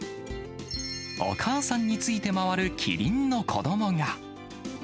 お母さんについて回るキリンの子どもが。